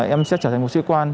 em sẽ trở thành một sư quan